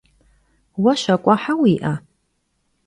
Vue şak'uehe vui'e?